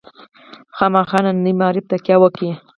خامخا ننني معارف تکیه وکوي.